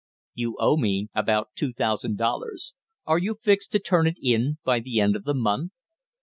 You owe me about two thousand dollars; are you fixed to turn it in by the end of the month?"